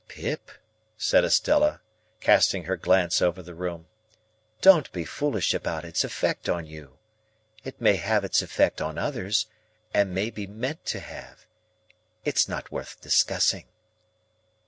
"Pip," said Estella, casting her glance over the room, "don't be foolish about its effect on you. It may have its effect on others, and may be meant to have. It's not worth discussing."